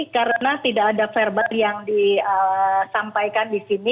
karena tidak ada verben yang disampaikan di sini